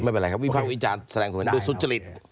ไม่เป็นไรครับวิภาควิจารณ์แสดงความเห็นโดยสุจริต